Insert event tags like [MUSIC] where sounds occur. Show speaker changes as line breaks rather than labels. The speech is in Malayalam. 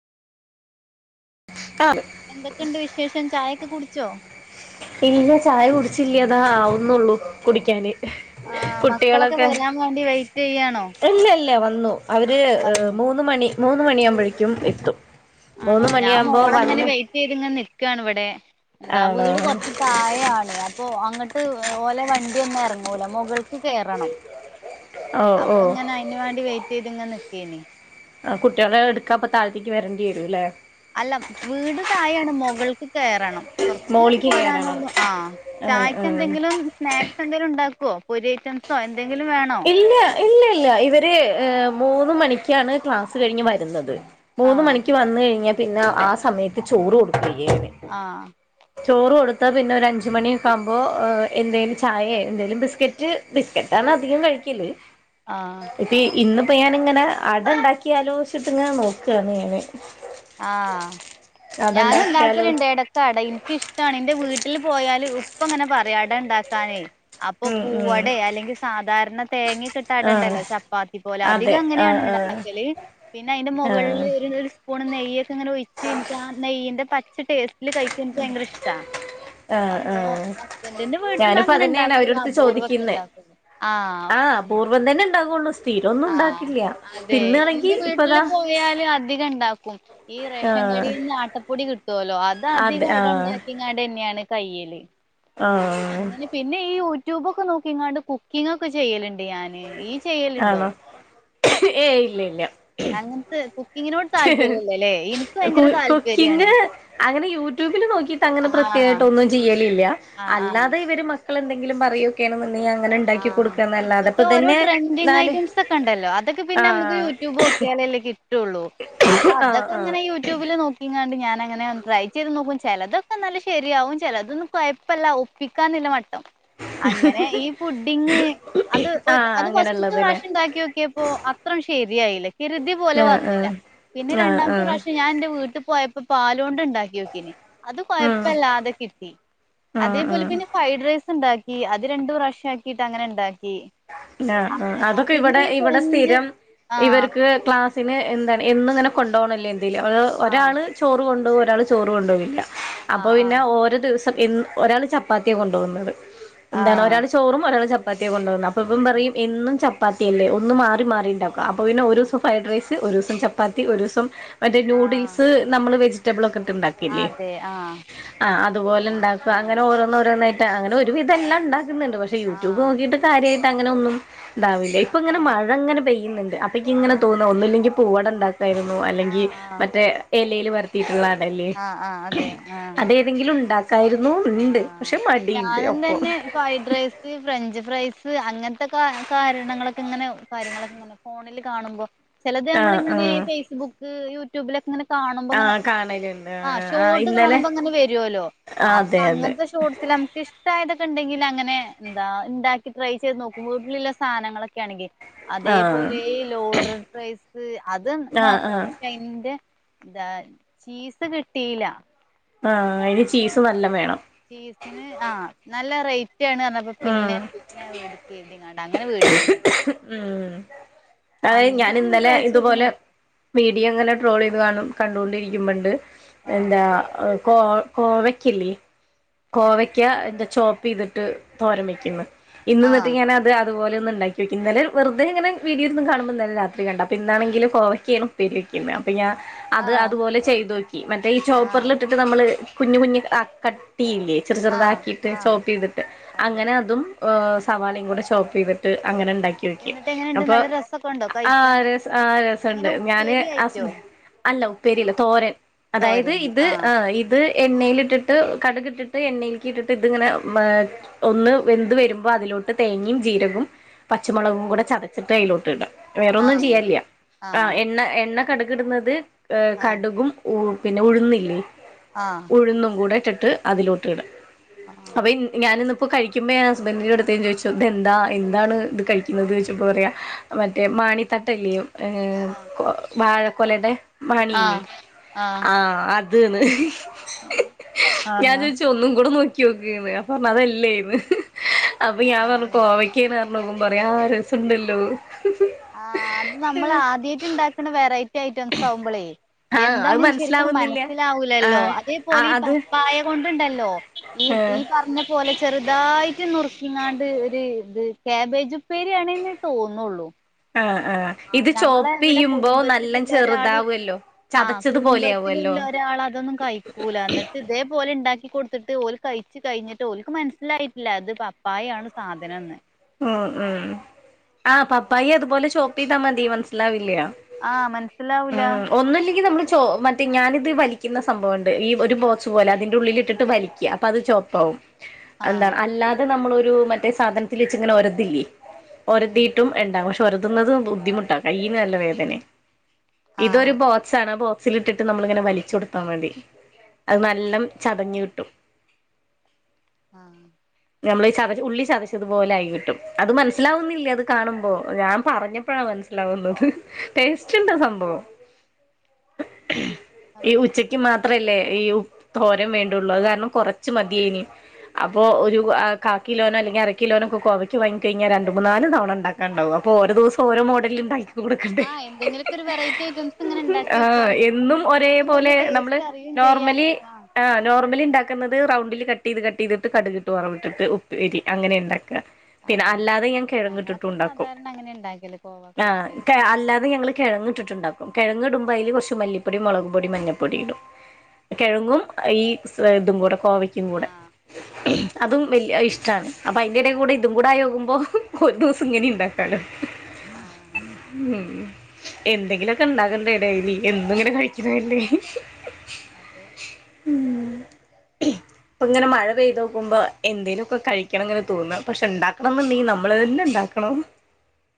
ആഹ്
എന്തൊക്കെയുണ്ട് വിശേഷം ചായൊക്കെ കുടിച്ചോ
ഇല്ല ചായ കുടിച്ചില്ല ഇതാ ആവുന്നുള്ളൂ കുടിക്കാന്
ആ മക്കളൊക്കെ
കുട്ടികളൊക്കെ
വരാൻ വേണ്ടി വെയിറ്റ് ചെയ്യാണോ
ഇല്ല ഇല്ല വന്നു അവര് ഏ
വന്നു
മൂന്ന് മണി മൂന്ന് മണി ആവുമ്പോഴേക്കും എത്തും മൂന്ന് മണിയാകുമ്പോ വന്ന്
ചെയ്തിങ്ങ് നിൽക്കുകാണ് ഇവിടെ എന്താ
ആണോ
വീട് കൊറച്ച് തായെയാണേ അപ്പൊ അങ്ങോട്ട് ഓലെ വണ്ടിയൊന്നും ഇറങ്ങൂല മുകൾക്ക് കേറണം
ഓ ഓ
അപ്പൊ ഇങ്ങനെ അയിന് വേണ്ടി വെയിറ്റ് ചെയ്തിങ്ങനെ നിക്കുവാണെ
ആ കുട്ടികളെ എടുക്കാൻ ഇപ്പൊ താഴത്തേക്ക് വരണ്ടി വരും ഇല്ലേ
അല്ല വീട് തായെ ആണ് മുകൾക്ക് കയറണം കുറച്ച്
മോളിക്ക് കേറണം
പോരാനുള്ളൂ ആ
ആഹ് ആഹ്
ചായക്കെന്തെങ്കിലും സ്നാക്സ് എന്തെങ്കിലും ഉണ്ടാക്കുമോ പൊരി ഐറ്റംസോ എന്തങ്കിലും വേണോ
ഇല്ല ഇല്ല ഇല്ല ഇവര് ഏ മൂന്ന് മണിക്കാണ് ക്ലാസ് കഴിഞ്ഞ് വരുന്നത് മൂന്ന്
ആഹ്
മണിക്ക് വന്ന് കഴിഞ്ഞാൽ പിന്നെ ആ സമയത്ത് ചോറ് കൊടുക്ക [UNINTELLIGIBLE]
ആഹ്
ചോറ് കൊടുത്താ പിന്നെ ഒരു അഞ്ച് മണിയൊക്ക ആകുമ്പോ എന്തേലും ചായയോ എന്തേലും ബിസ്ക്കറ്റ് ബിസ്ക്കറ്റ് ആണ് അധികം കഴിക്കല്
ആഹ്
ഇന്നിപ്പോ ഞാനിങ്ങനെ അടണ്ടാക്കി ആലോചിച്ചിട്ട്ങ്ങൻ നോകാണ് ഞെ
ആഹ് ഞാനുണ്ടാക്കലണ്ട് ഇടക്കടയും ക്കിഷ്ടാണ് ന്റെ വീട്ടിൽ പോയാല് ഉപ്പ ഇങ്ങനെ പറി അടണ്ടാക്കാനേ അപ്പൊ
ഉം ഉം
പൂവട അല്ലെങ്കിൽ സാധാരണ തേങ്ങ
ആഹ്
കിട്ടാടണ്ടല്ലോ ചപ്പാത്തി പോലെ
അതെ
അധികം
ആഹ്
അങ്ങനെയണണ്ട
ആഹ്
അക്കല് പിന്നെ അയ്ന്റെ മുകളില്
ആഹ്
ഒരുരു പൂണ് നെയ്യൊക്കെങ്ങനെ ഒഴിച്ച് ഇൻക്ക് ആഹ് നെയ്യ്ന്റെ പച്ച ടേസ്റ്റില് കഴിക്ക ഇൻക്ക് ഭയങ്കര ഇഷ്ടാ
ആഹ്
അപ്പൊ
ആഹ്
ഹസ്ബൻറിന്റെ വീട്ടിന്ന
ഞാനിപ്പോ
അങ്ങനെ
അതന്നെയാണ്
ഉണ്ടാക്കുല
അവരടുത്ത്
അപൂർവക്കെ
ചോദിക്കുന്നെ
ഉണ്ടാക്കുള്ളൂ ആഹ്
അപൂർവം തന്നെ ഉണ്ടാകുള്ളൂ സ്ഥിരം ഒന്നും
ആഹ്
ഉണ്ടാക്കില്ല
അതെ
തിന്നാണെങ്കി
ന്റെ
ഇപ്പതാ
വീട്ടില് പോയാല് അ ധികംണ്ടാക്കും ഈ റേഷൻ
ആഹ്
കടൽ നിന്ന് ആട്ടപ്പൊടി കിട്ടുവല്ലോ അത
അതെ ആഹ്
അധികോടണ്ടാക്കി ങ്ങാട്ന്നെയാണ് കയ്യില്
ആഹ്
പിന്നെ ഈ യൂട്യൂബൊക്കെ നോക്കിങ്ങാണ്ട് കുക്കിംഗക്കെ ചെയ്യലുണ്ട് ഞാാന് ഈ ചെയ്യലുണ്ടോ
ആണോ ഏയ് ഇല്ല ഇല്ല
അങ്ങൻത്തെ കുക്കിങ്ങിനോട് താല്പര്യല്ലല്ലേ ഇൻക്ക്
കു
വയങ്കര താല്പര്യണ്
കുക്കിങ് അങ്ങനെ യൂട്യൂബില് നോക്കിട്ട് അങ്ങനെ
ആഹ്
പ്രത്യേകായ്ട്ടൊന്നും ചെയ്യലില്ല
ആഹ് ആഹ്
അല്ലാതെ ഇവര് മ മക്കൾ എന്തെങ്കിലും പറയോക്കേണ്ന്ന്ണ്ടെങ്കി അങ്ങനെ ണ്ടാക്കി
ആഹ്
കൊടുക്കന്നല്ലാതെ
ഇപ്പത്തെ ഓരോ ട്രെൻഡിങ് ഐറ്റംസ് ഒക്കെണ്ടല്ലോ അതൊക്കെ പിന്നെ മുക്ക്
ആഹ്
യൂട്യൂബ് ക്യാലെല്ലേ കിട്ടുള്ളൂ അപ്പോ
ആഹ് ആഹ്
അതൊക്കെങ്ങനെ യൂട്യൂബില് നോക്കിങ്ങാണ്ട് ഞാ നങ്ങനെ ട്രൈ ചെയ്ത് നോക്കും ചിലതൊക്കെ നല്ല ശരിയാവും ചിലതൊന്നും കുഴപ്പമല്ല ഒപ്പിക്കാന്നില്ല മട്ടം അങ്ങനെ ഈ ഫുഡിങ് അത്
ആഹ്
അത് ഫസ്റ്റ്ത്തെ
അങ്ങനെള്ളത് ല്ലേ
പ്രാവഷ്യം ണ്ടാക്യോക്യപ്പോ അത്രൺ ശരിയായില്ല കരുതി പോലെ
ആഹ്
വന്നില്ല
ആഹ്
പിന്നെ
ആഹ്
രണ്ടമത്തെ
ആഹ്
പ്രാവശ്യ ഞാന്റെ വീട്ട പോയ ഇപ്പൊ പാലൊണ്ട് ണ്ടാക്ക്യോക്കിഞ്ഞി അത്
ഉം
കൊഴപ്പല്ലാതെ കിട്ടി
ആഹ്
അതേപോലെ
ആഹ്
പിന്നെ ഫ്രൈഡ് റൈസ്ണ്ടാക്കി അത് രണ്ടു പ്രാവശ്യ ആക്കിട്ട് അങ്ങനെണ്ടാക്കി
നാ ആഹ് അതൊക്കെ ഇവിടെ ഇവിടെ
ഫ്രഞ്ചും
സ്ഥിരം
ആഹ്
ഇവർക്ക് ക്ലാസ് പിനെ എന്താണ് എന്നുംഇങ്ങനെ കൊണ്ടോണില്യ എന്തെലും അത്
ആഹ്
ഒരാൾ ചോറ് കൊണ്ടോവു ഒരാൾ ചോറ് കൊണ്ടോവില്ല അപ്പൊ പിന്നെ
ആഹ്
ഓരോ ദിവസം എൻ ഒരാൾ ചപ്പാത്തിയാ കൊണ്ടോഉന്നത് എന്താണ്
ആഹ്
ഒരാൾ ച് ചോറും ഒരള് ചപ്പാത്തി കൊണ്ടോഉന്നെ അപ്പ ഇപ്പം പറയും എന്നും ചപ്പാത്തിയല്ലേ ഒന്ന് മാറി മാറിണ്ടാ അപ്പൊ പിന്നെ
ആഹ്
ഒരുസം ഫ്രൈഡ് റൈസ് ഒരുസം ചപ്പാത്തി ഒരുസം മറ്റേ
ആഹ് ആഹ്
നൂഡിൽസ് നമ്മള് വെജിറ്റബിൾ ഒക്കെ ഇട്ട് ണ്ടാക്കില്ലേ
അതെ ആഹ്
ആഹ് അതുപലെണ്ടാക്ക
ആഹ്
അങ്ങനെ ഓരോന്നോരോന്നായി അങ്ങനെ ഒരുവിധംഎല്ലാ ണ്ടാക്കുന്നുണ്ട് പക്ഷെ യൂട്യൂബ്
ആഹ്
നോക്കിയിട്ട് കാര്യയിട്ട് അങ്ങനെ ഒന്നും താവില്ലേ പ്പങ്ങനെ
ആഹ്
മഴങ്ങനെ പെയ്യുന്നുണ്ട് അപ്പക്ക്ങ്ങനെ
ആഹ്
തോന്ന ഒന്നില്ലങ്കിൽ പൂവട ണ്ടാക്ക തായിരുന്നു അല്ലെങ്കി
ആഹ് ആഹ്
മറ്റേ എലേല് വര്ത്തിയിട്ടുള്ള അടല്ലേ
ആഹ് അതെ ആഹ്
അതെ ന്തെങ്കിലുണ്ടാക്കായിരുന്നുന്ന്ണ്ട് പക്ഷെ മടിയുണ്ട് അപ്പൊ
ഫ്രൈഡ്റൈസ് ഇ ഫ്രഞ്ച് ഫ്രൈസ് അങ്ങൻത്തെ കാ കാരണങ്ങളൊക്കെങ്ങനെ കാര്യങ്ങളൊക്കെ അ ഫോണിൽ കാണുമ്പോ ചിലത്
ആഹ്
നമ്മള്ങ്ങനെ
ആഹ്
ഫേസ്ബുക്ക് യൂട്യൂബിലൊക്കെങ്ങനെ കാണുമ്പോങ്ങനെ
ആഹ് കാണലുണ്ട്
ആഹ് ഷോർട്ട്
ഇന്നലെ
കാണുമ്പോങ്ങനെ വരോല്ലോ
ആഹ്
അപ്പൊ
അതെ അതെ
അങ്ങൻത്തെ ഷോട്സിൽ നമുക്ക് ഇഷ് ടായാതൊക്കെ ണ്ടെങ്കിൽ അങ്ങനെ ന്താണ്ടാക്കി ട്രൈ ചെയ്ത് നോക്കുമ്പോ ഉള്ളിലെ സാനങ്ങളൊക്കെ ആണെങ്കി
ആഹ്
അതേപോലെ ഈ ലോഡഡ് പ്രൈസ് അത്
ആഹ്
നോക്കണം
ആഹ്
പക്ഷെ അതിന്റെ ഇതാ ചീസ് കിട്ടില
ആഹ് അയ്ന് ചീസ് നല്ലം വേണം
ചീസിന് ആഹ് നല്ല റേറ്റ് ആണ് ർഞ പ്പൊ പിന്നെ
ഉം
പിന്നെ വേടിക്കര്തിങ്ങാണ്ട് അങ്ങനെ വേടിച്ചില്ല
ഉം അത ഞാൻ
അങ്ങനെ
ഇന്നലെ
ട്രൈ ചെയ്ത്
ഇതുപോലെ
നോക്കും
മീഡിയ അങ്ങനെ ട്രോൾയ്ത് കാണും കണ്ടോണ്ടിരിക്കുമ്പണ്ട്
ആ
എന്താ അഹ് കോ കോവെക്കില്ലി കോവയ്ക്ക എന്റെ ചോപ്പ്യ്തിട്ട് തോരൻവെക്കുന്നു
ആ
ഇന്ന്ന്നിട്ട് ഞാനത് അതുപോല ഒന്ന ഉണ്ടാക്കി നക്ക ഇന്നലെ വെുതെ ഇങ്ങെ വീഡിയോ രുന്ന് കണുമ്പോൾന്നല്ല രാത്രി കണ്ട അപ്പോൾ ഇന്നാണെങ്കിൽ കോ വയ്ക്കയാണ് പിലി ക്കന്നപ്പാ ഞാൻ
ആ
അത് അതുപോലെ ചെയ്തോക്കി മറ്റേ ഈ
ആ
ചോപ്പറിൽ ഇട്ടിട്ട് നമ്മള് കുഞ്ഞ് കുഞ്ഞ് കട്ടിയില്ലേ ചെറു
ആ
ചെറുതാക്കിയിട്ട്
ആ
ചോപ്പ് ചെയ്തിട്ട്
അതെ
അങ്ങനെ അതും സവാളയും കൂടെ ഷോപ്പ് ചെയ്തിട്ട് അങ്ങനെ ഉണ്ടാക്കി
എന്നിട്ട് എങ്ങനെയുണ്ട്
അപ്പൊ
നല്ല രസൊക്കെ ഉണ്ടോ
ആ
കഴിക്കാൻ
രസ ആ രസുണ്ട്
എങ്ങനെ
ഞാന്
ഉപ്പേരി ആയിട്ടോ
അല്ല ഉപ്പേരിയല്ല തോരൻ അതായത്
തോരന്
ഇത്
ആ
ആ് ഇത് എണ്ണയില് ഇട്ടിട്ട് കടുകിട്ടിട്ട് എണ്ണയിൽക്കി ഇട്ടിട്ട് ഇതിങ്ങനെ മേക് ഒന്ന് വെന്ത് വരുമ്പോൾ അതിലോട്ട് തേങ്ങയും ജീരകവും പച്ചമുളകും കൂടെ ചതച്ചിട്ട് അതിലോട്ട് ഇടാം വേറൊ
ആ
ഒന്നും ചെയ്യയില്ല ആ എണ്ണ എണ്ണ കടുകിടുന്നത് ഏ
ആ
കടുകും ഉ പിന്നെ ഉഴുന്നില്ലേ
ആ
ഉഴുന്നും കൂടെ ഇട്ടിട്ട് അതിലോട്ട് ഇട
ആ
അപ്പെ ഞാനൻ ഇന്നപ്പോ കഴിക്കുമ്പോ ൻ ഹസ്ബൻഡന്റെറെടുത്തന്ന് ചോദിച്ച ഇ എന്താ എന്താണ് ഇത് കഴിക്കുന്നത്ന്ന് ചോദിച്ചപ്പോ പറയാ മറ്റേ മാണിത്തട്ടല്ലിയയും ഏ
ആ ആ
വാഴക്കൊലയുടെ മണിൽേ
ആ
ആ ത് ന്ന് ഹ് ഹ് ഞാൻ ചോദിച്ച ഒന്നും കൂടെ നോക്കി നോക്കന്ന് പറഞ്ഞ അതല്ലേ ഇന്ന് അപ്പൊ ഞാൻ
ആ
പറഞ്ഞു
ആ
കോവക്ക കേനർ നോക്കുമ പറയ ആ രസുണ്ടല്ലോ
ആ അത് നമ്മൾ ആദ്യമായിട്ട് ഇണ്ടാക്കുന്ന വെറൈറ്റി ഐറ്റംസ് ആവുമ്പോളേ
ആഹ് അത്
എന്താണ് ശരിക്കും
മനസ്സിലാവുന്നില്ല
മനസ്സിലാവലല്ലോ
ആഹ്
അതേപോലെ
ആഹ്
ഈ
അത്
പപ്പായ കൊണ്ടുണ്ടല്ലോ ഈ ഈ
ഏ
പറഞ്ഞ പറഞ്ഞ പോലെ ചെറുതായിട്ട് നുറുക്കങ്ങാണ്ട് ഒരു ഇത് കാബേജു പേരിയാണേെന്ന് തോന്നുള്ളൂ
ആ ആ
ആ ഞങ്ങള് ഇവിടെ കുടുംബത്തിലുള്ള ഒരാള്
ചെറുതാവല്ലോ
ആഹ
ചതച്ചതുപോലെ
കുടുംബത്തിലുള്ള
ആവുല്ലോ
ഒരാൾ അതൊന്നും കഴിക്ക കൂല എന്നിട്ട് ഇതേപോലെ ഉണ്ടാക്കി കൊടുത്തിട്ട് ഓല് കഴിച്ചു കഴിഞ്ഞിട്ട് ഓലക്ക് മനസ്സിലായിട്ടില്ല അത് പപ്പായാണ് സാധനംന്ന്
ഉ ഉം ആഹ് പപ്പായി അതുപോലെ ചോപ്പ ചെയതാ മതി മനസ്സിലാവില്ലയ
ആഹ് മനസ്സിലാവൂല
ഉ ഒന്നുംല്ലെങ്കിൽ നമ്മൾ ചോ മറ്റ തി ഞാനിത് വലിക്കുന്ന സംഭവോണ്ട് ഈ ഒരു ബോക്സ് പോലെ അതിന്റെ ഉള്ളില ഇട്ടിട്ട് വലിക്കുക അപ്പൊ അത് ചോപ്പാവും
ആഹ്
എന്താണ് അല്ലാതെ നമ്മളൊരു മറ്റേ സാധനത്തിൽ വെച്ചിങ്ങനെ ഒരതില്ലേ
ഉം
ഒരതിയിട്ടും ഉണ്ടാകും പക്ഷെ ഒരുതുന്നത് ബുദ്ധിമുട്ടാ കയിന് നല്ല വേദന ഇതൊരു
ആഹ്
ബോ ചണ ബോക്സിൽ ഇട്ടിട്ട് നമ്മളിങ്ങനെ വലിച്ചു കൊടുത്താൽ മതി അത് നല്ല ചതഞ്ഞഞ് കിട്ടും
ആഹ
നമ്മള ഈ ചത ഉള്ളി ചതച് തുപോലെ ആയി കിട്ടും അത് മനസ്സിലാവുന്നില്ലേ അത് കാണുമ്പോ ഞാൻ പറഞ്ഞപ്പോഴാണ് മനസ്സിലാവുന്നത് ടേസ്റ്റ് ഉണ്ട് സംഭവം ഈ
അതെ
ഉച്ചക്ക് മാത്രല്ലേ ഈ തോരൻ വേണ്ടുള്ളൂ അത് കാരണം കുറച്ച മതിയേനി അപ്പൊ ഒരു കാക്കിലോനോ അല്ലെങ്ക കിലോനോക്കെ കുവയ്ക്ക വാങ്ങിക്ക കഴിഞ്ഞാ രണ്ട മൂന്നാല് തവണ ഉണ്ടാക്കാണ്ടാവും അപ്പോ ഓരോ ദിവസ ഓരോമോഡലിൽ ഉണ്ടാക്കി കൊടുക്കണ്ടേ
ആഹ് എന്തെങ്കിലൊക്കെ ഒരു വെററ്റി ഐറ്റംസ് ഇങ്ങനെ ഉണ്ടാക്കി
ആഹ്
വെക്കാലേ
എന്നും ഒരേപോലെ
നക്കന്ത
നമ്മള്
ടസ്റ്റ്
നോർമലി ആ നോർമലി ഉണ്ടാക്ക വെക്കുന്നത് റൗണ്ടിൽ കട്ട് ചെയ്ത് കട്ട് ചെയ്തിട്ട് കടുകിട്ട് വറവിട്ടിട്ടു ഉപ്പേരി അങ്ങനെ ഉണ്ടാക്കുക പിന്നെ
ആഹ്
അല്ലാതെ ഞാൻ കിഴങ്ങങ്
ഞങ്ങളൊക്കെ
ഇട്ടിട്ടുണ്ടാക്കും
സാധാരണ അങ്ങനെ ഇണ്ടാക്കൽ കോവക്ക
ആ
ഉപ്പേരി
കെ അല്ലാതെ ഞങ്ങൾ കിഴങ്ങിട്ടുണ്ട് ണ്ടാക്കും കിഴങ് ഇടുമ്പോ അതില് കുറച്ച് മല്ലിപ്പൊടി മുളക് പൊടി മഞ്ഞൾപ്പൊടി ഇടും കിഴങ്ങും ഈ സ് ഇതും കൂടെ കോവയ് കൂടെ
ആഹ്
അതും വല്യ ഇഷ്ടമാണ് അയിന്റെ ഇടെകുടി കൂടെ ഇതും കൂടെ ആകുമ്പോ ഒരു ദിവസം ഇങ്ങനെ ഉണ്ടാക്കാറ്
ആഹ്
ഉം എന്തെങ്കിലുമൊക്കെ ഇണ്ടാകണ്ടേ ഡെയിലി എന്നും ഇങ്ങനെ കഴിക്കുന്നണ്ടേ
അതെ
ഇപ്പ ഇങ്ങനെ മഴ പെയ്ത് നിക്കുമ്പോ എന്തേലുമൊക്കെ കഴിക്ക ങ്ങനെ തോന്നുന്നത് പക്ഷെ ഉണ്ടാക്കണം എന്നുണ്ടെങ്കിൽ നമ്മള് തന്നെ ഉണ്ടാക്കണം